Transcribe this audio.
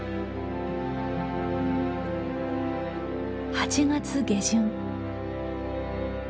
８月下旬。